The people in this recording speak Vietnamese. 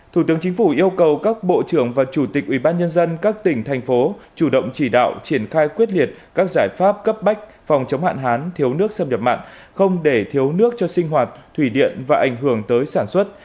thủ tướng chính phủ yêu cầu các bộ trưởng và chủ tịch ubnd các tỉnh thành phố chủ động chỉ đạo triển khai quyết liệt các giải pháp cấp bách phòng chống hạn hán thiếu nước xâm nhập mặn không để thiếu nước cho sinh hoạt thủy điện và ảnh hưởng tới sản xuất